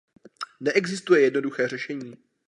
Neexistuje jednoduché řešení.